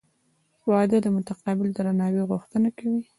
• واده د متقابل درناوي غوښتنه کوي.